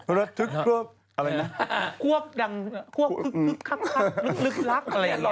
ควบดังควบคึกคับลึกลักอะไรอย่างนี้